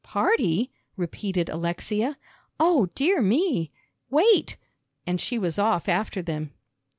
"Party?" repeated Alexia; "O dear me! Wait!" and she was off after them.